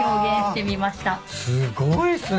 すごいっすね。